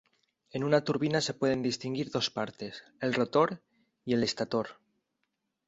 En una turbina se pueden distinguir dos partes, el rotor y el estátor.